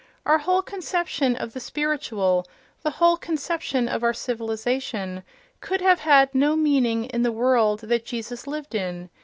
Our whole conception of the "spiritual," the whole conception of our civilization, could have had no meaning in the world that Jesus lived in.